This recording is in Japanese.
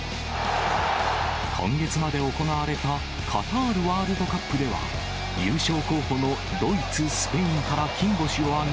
今月まで行われたカタールワールドカップでは、優勝候補のドイツ、スペインから金星を挙げ、